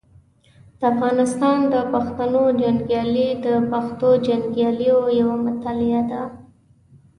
د افغانستان د پښتنو جنګیالي د پښتنو جنګیالیو یوه مطالعه ده.